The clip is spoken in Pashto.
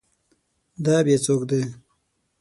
دا بیا څوک دی؟